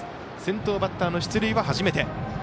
先頭バッターの出塁は初めて。